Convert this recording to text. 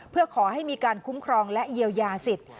เพื่อขอให้มีการคุ้มครองและเยียวยาสิทธิ์